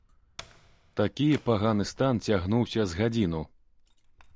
Такі паганы стан цягнуўся з гадзіну.